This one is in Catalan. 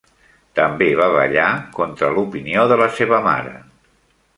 També va ballar, contra l'opinió de la seva mare.